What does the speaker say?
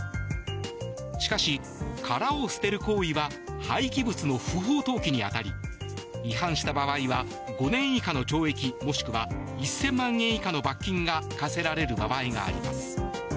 しかし、殻を捨てる行為は廃棄物の不法投棄に当たり違反した場合は５年以下の懲役もしくは１０００万円以下の罰金が科せられる場合があります。